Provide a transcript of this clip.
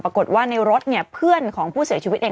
ปรากฏว่าในรถเนี่ยเพื่อนของผู้เสียชีวิตเอง